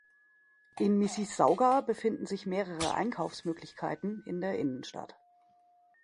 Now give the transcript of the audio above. In Mississauga befinden sich mehrere Einkaufsmöglichkeiten, in der Innenstadt.